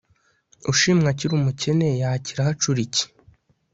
ushimwa akiri umukene, yakira hacura iki